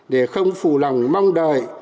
để không phù lòng mong đợi